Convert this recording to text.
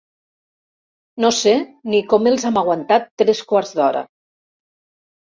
No sé ni com els hem aguantat tres quarts d'hora!